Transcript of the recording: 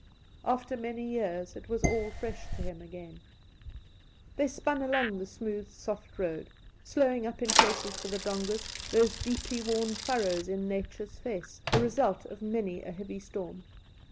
After many years it was all fresh to him again. They spun along the smooth soft road, slowing up in places for the dongas — those deeply worn furrows in Nature's face, the result of many a heavy storm.